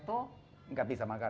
tidak bisa makan